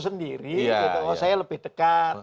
saya lebih dekat kamu tidak